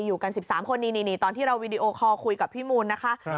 อยู่กัน๑๓คนนี่ตอนที่เราวีดีโอคอลคุยกับพี่มูลนะคะ